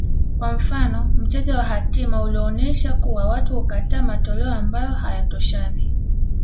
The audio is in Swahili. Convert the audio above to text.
kwa mfano mchezo wa hatima ulionyesha kuwa watu hukataa matoleo ambayo hayatoshani